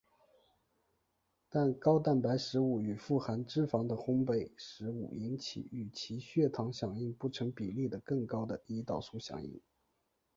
但高蛋白食物与富含脂肪的烘培食物引起与其血糖响应不成比例的的更高的胰岛素响应。